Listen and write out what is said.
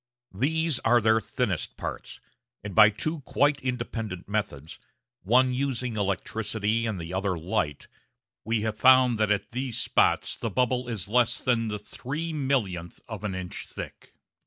These are their thinnest parts, and by two quite independent methods one using electricity and the other light we have found that at these spots the bubble is less than the three millionth of an inch thick!